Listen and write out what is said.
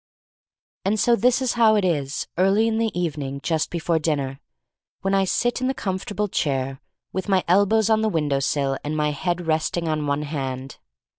And so this is how it is early in the evening just before dinner, when I sit in the uncomfortable chair with my elbows on the window sill and my head resting on one hand.